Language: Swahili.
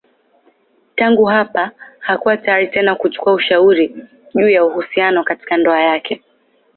Tangu hapa hakuwa tayari tena kuchukua ushauri juu ya uhusiano katika ndoa yake.